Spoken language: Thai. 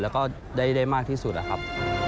และก็ได้ได้มากที่สุดครับ